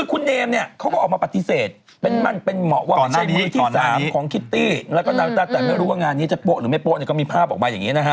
คุณเดมเขาก็ออกมาปฏิเสธเป็นเหมาะว่าเป็นมือที่สามของคิตตี้